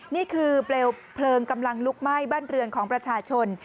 นี่คือเปลวเพลิงกำลังลุกไหม้บ้านเรือนของประชาชน